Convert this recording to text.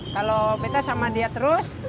kalau beta sama dia terus